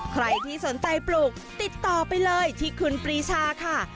ใครที่สนใจปลูกติดต่อไปเลยที่คุณปรีชาค่ะ